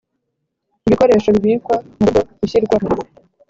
Ibikoresho bibikwa mu buryo bushyirwaho